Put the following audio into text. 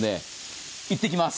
いってきます！